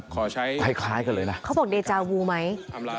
ขอใช้คล้ายกันเลยนะเขาบอกเดจาวูไหม